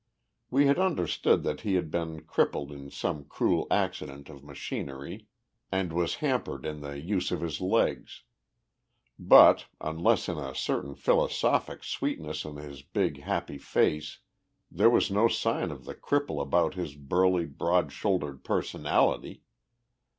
We had understood that he had been crippled in some cruel accident of machinery, and was hampered in the use of his legs. But, unless in a certain philosophic sweetness on his big, happy face, there was no sign of the cripple about his burly, broad shouldered personality.